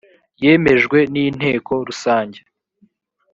yemejwe n inteko rusange